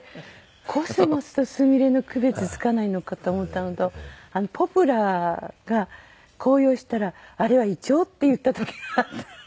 コスモスとスミレの区別つかないのかと思ったのとポプラが紅葉したらあれはイチョウ？って言った時があって。